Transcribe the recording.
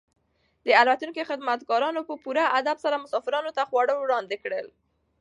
د الوتکې خدمتګارانو په پوره ادب سره مسافرانو ته خواړه وړاندې کړل.